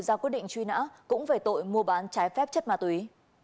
ra quyết định truy nã cũng về tội mua bán trái phép chất ma túy